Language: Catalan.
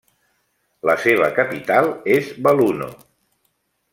La seva capital és Belluno.